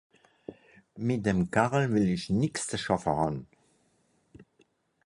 Mìt dem Kerl wìll ìch nìx ze schàffe hàn.